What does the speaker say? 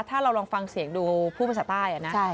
ถ้าเราลองฟังเสียงดูผู้ประสาทใต้นะ